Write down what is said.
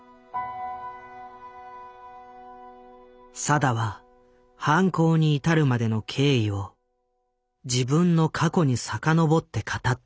定は犯行に至るまでの経緯を自分の過去に遡って語っている。